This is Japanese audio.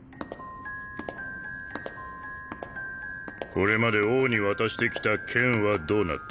これまで王に渡してきた剣はどうなった？